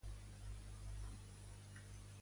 Casado ha criticat Sánchez un cop més.